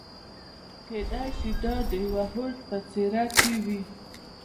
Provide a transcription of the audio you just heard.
کېدای شي دا د يوه هوډ په څېره کې وي.